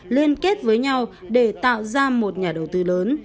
liên kết với nhau để tạo ra một nhà đầu tư lớn